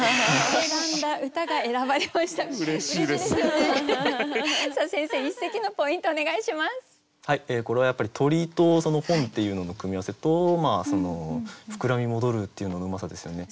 これはやっぱり鳥と本っていうのの組み合わせと「ふくらみ戻る」っていうののうまさですよね。